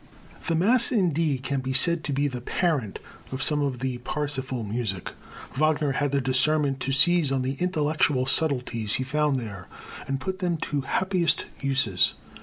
The Mass in D can be said to be the parent of some of the Parsifal music. Wagner had the discernment to seize on the intellectual subtleties he found there, and to put them to happiest uses.